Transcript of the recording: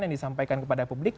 yang disampaikan kepada publik